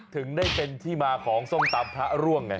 ถึงได้เป็นที่มาของส้มตำพระร่วงไง